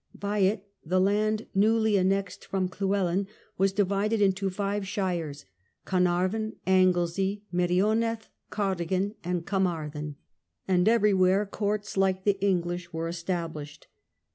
By it the land newly annexed from Llewellyn was divided into five shires — Carnarvon, Anglesey, Merioneth, Cardigan, and Carmarthen, and everywhere REFORMS IN LAW. 85 courts like the English were established.